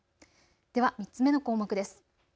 では３つ目の項目です。